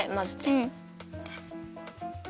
うん。